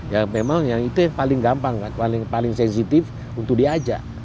ya memang yang itu yang paling gampang paling sensitif untuk diajak